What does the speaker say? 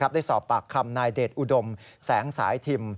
ได้สอบปากคำนายเดชอุดมแสงสายทิม